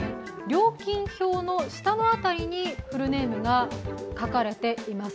料金表の下の辺りにフルネームが書かれています。